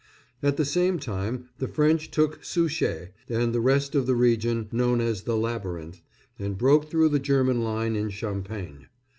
At the same time the French took Souchez and the rest of the region known as the "Labyrinth," and broke through the German line in Champagne.